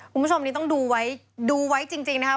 คุณผู้ชมนี้ต้องดูไว้ดูไว้จริงนะครับ